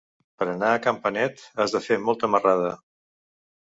Per anar a Campanet has de fer molta marrada.